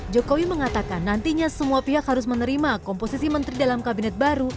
jokowi mengatakan nantinya semua pihak harus menerima komposisi menteri dalam kabinet baru